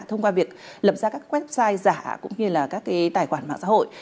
thông qua việc lập ra các website giả cũng như là các cái tài khoản mạng xã hội